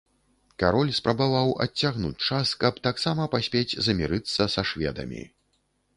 Кароль спрабаваў адцягнуць час, каб таксама паспець замірыцца са шведамі.